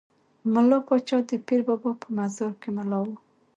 ملا پاچا د پیر بابا په مزار کې ملا وو.